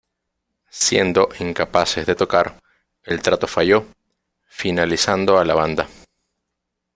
Siendo incapaces de tocar, el trato falló, finalizando a la banda.